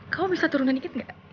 kamu bisa turunan dikit nggak